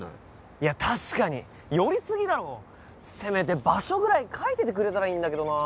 いや確かに寄りすぎだろせめて場所ぐらい書いててくれたらいいんだけどなあ